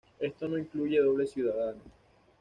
Esto no incluye doble ciudadano.